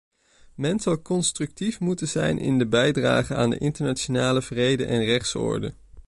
Men zal constructief moeten zijn in de bijdrage aan de internationale vrede en rechtsorde.